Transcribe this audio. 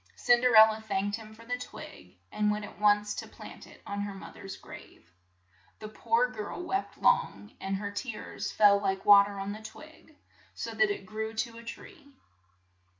Cin der el la thanked him for the twig, and went at once to plant it on her mother's grave. The poor girl wept long, and her tears fell like wa ter on the twig, so that it grew to a tree.